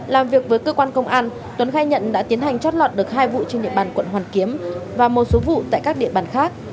làm việc với cơ quan công an tuấn khai nhận đã tiến hành chót lọt được hai vụ trên địa bàn quận hoàn kiếm và một số vụ tại các địa bàn khác